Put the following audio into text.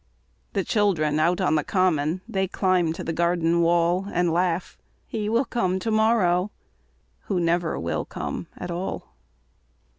The children out on the common: They climb to the garden wall; And laugh: "He will come to morrow!" Who never will come at all.